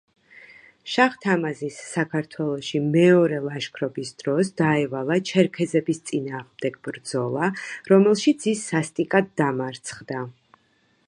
შაჰ-თამაზის საქართველოში მეორე ლაშქრობის დროს დაევალა ჩერქეზების წინააღმდეგ ბრძოლა, რომელშიც ის სასტიკად დამარცხდა.